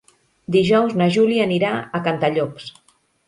Dijous na Júlia anirà a Cantallops.